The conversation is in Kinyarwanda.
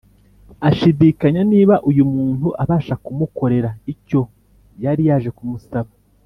. Ashidikanya niba uyu muntu abasha kumukorera icyo yari yaje kumusaba